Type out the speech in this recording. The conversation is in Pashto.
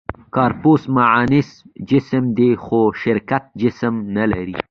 «کارپوس» معنس جسم دی؛ خو شرکت جسم نهلري.